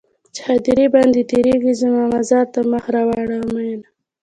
چې هديره باندې تيرېږې زما مزار ته مخ راواړوه مينه